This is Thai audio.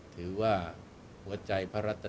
ถือว่าหัวใจภารัตนไตน์นี้